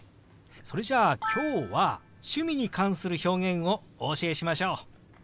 それじゃあ今日は趣味に関する表現をお教えしましょう！